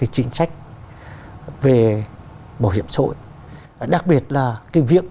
chính sách về bảo hiểm xã hội đặc biệt là cái việc